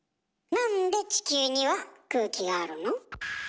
なんで地球には空気があるの？